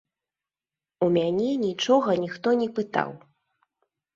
У мяне нічога ніхто не пытаў.